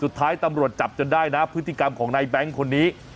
สุดท้ายตำรวจจับจนได้นะพฤติกรรมของนายแบงค์คนนี้